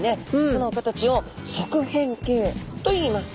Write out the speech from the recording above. この形を側扁形といいます。